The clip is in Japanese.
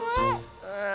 うん。